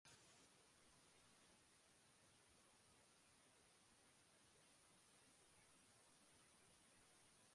List of Aboriginal Reserves in New South Wales